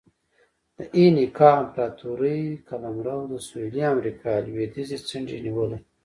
د اینکا امپراتورۍ قلمرو د سویلي امریکا لوېدیځې څنډې نیولې.